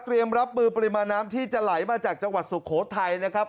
รับมือปริมาณน้ำที่จะไหลมาจากจังหวัดสุโขทัยนะครับ